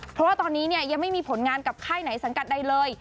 เพราะว่าตอนนี้เนี่ยยังไม่มีผลงานกับค่ายไหนสังกัดใดเลย